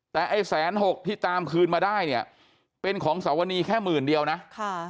แต่ไอ้แสนหกที่ตามคืนมาได้เนี่ยเป็นของสวนีแค่หมื่นเดียวนะค่ะ